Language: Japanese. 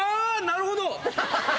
なるほど。